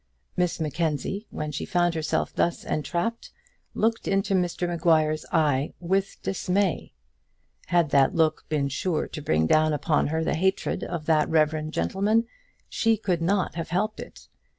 Miss Mackenzie, when she found herself thus entrapped, looked into Mr Maguire's eye with dismay. Had that look been sure to bring down upon her the hatred of that reverend gentleman, she could not have helped it.